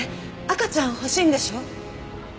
赤ちゃん欲しいんでしょ？